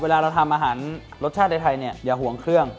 เวลาเราทำอาหารรสชาติไทยเนี่ยอย่าห่วงเครื่อง